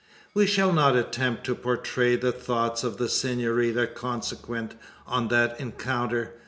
We shall not attempt to portray the thoughts of the senorita consequent on that encounter.